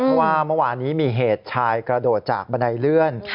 เพราะว่าเมื่อวานนี้มีเหตุชายกระโดดจากบันไดเลื่อน